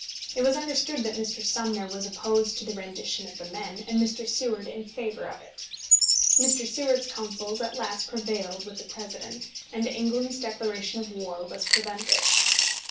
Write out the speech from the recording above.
It was understood that Mr. Sumner was opposed to the rendition of the men, and Mr. Seward in favour of it. Mr. Seward's counsels at last prevailed with the President, and England's declaration of war was prevented.